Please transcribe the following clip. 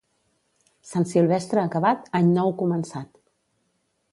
Sant Silvestre acabat, any nou començat.